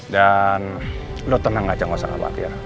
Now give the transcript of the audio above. dan lo tenang aja gak usah ngelawat ya